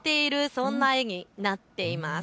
そんな絵になっています。